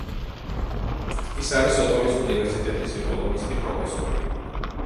ის არის ოტავის უნივერსიტეტის ეკონომისტი პროფესორი.